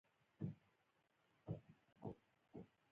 د ملکي خدمتونو قراردادي کارکوونکي حقوق او امتیازات.